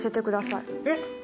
えっ！？